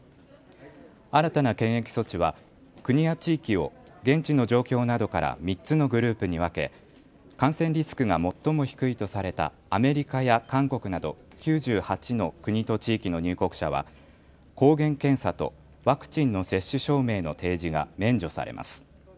新たな検疫措置は国や地域を現地の状況などから３つのグループに分け、感染リスクが最も低いとされたアメリカや韓国など９８の国と地域の入国者は抗原検査とワクチンの接種証明の提示が免除されます。